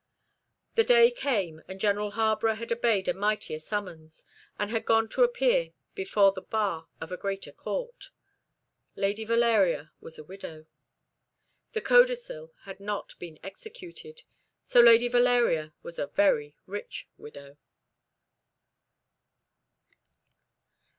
The day came, and General Harborough had obeyed a mightier summons, and had gone to appear before the bar of a greater court. Lady Valeria was a widow. The codicil had not been executed: so Lady Valeria was a very rich widow.